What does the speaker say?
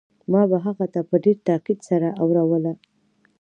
ما به هغه ته په ډېر تاکيد سره اوروله.